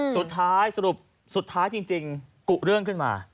สุดท้ายสรุปสุดท้ายจริงกุ๊ะเรื่องขึ้นมา